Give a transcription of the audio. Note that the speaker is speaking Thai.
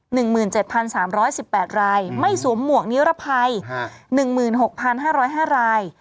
หนึ่งหมื่นเจ็ดพันสามร้อยสิบแปดรายไม่สวมหมวกนิรภัยฮะหนึ่งหมื่นหกพันห้าร้อยห้าราย